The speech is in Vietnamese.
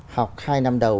học hai năm đầu